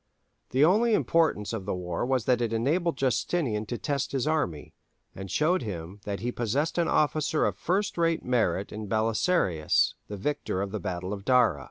The only importance of the war was that it enabled Justinian to test his army, and showed him that he possessed an officer of first rate merit in Belisarius, the victor of the battle of Dara.